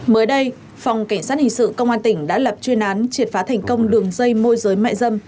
mới đây phòng cảnh sát hình sự công an tỉnh đã lập chuyên án triệt phá thành công đường dây môi giới mại dâm